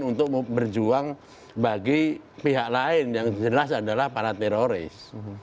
untuk berjuang bagi pihak lain yang jelas adalah para teroris